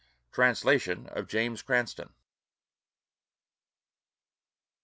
Translation of James Cranstoun.